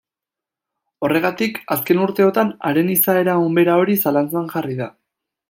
Horregatik, azken urteotan haren izaera onbera hori zalantzan jarri da.